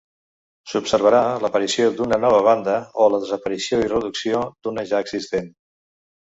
S'observarà l'aparició d'una nova banda o la desaparició i reducció d'una ja existent.